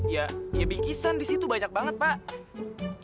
ya bingkisan di situ banyak banget pak